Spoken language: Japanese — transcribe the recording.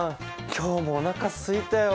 今日もおなかすいたよ。